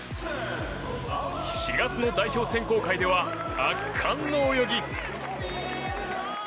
４月の代表選考会では圧巻の泳ぎ。